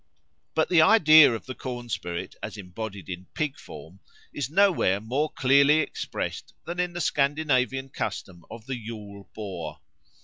But the idea of the corn spirit as embodied in pig form is nowhere more clearly expressed than in the Scandinavian custom of the Yule Boar.